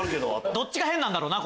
どっちが変なんだろうな。